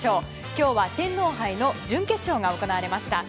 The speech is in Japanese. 今日は天皇杯の準決勝が行われました。